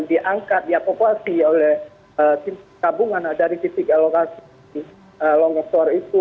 diangkat diapokasi oleh kabungan dari titik lokasi longestor itu